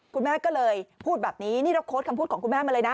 คุณแม่ก็เลยพูดแบบนี้นี่เราโค้ดคำพูดของคุณแม่มาเลยนะ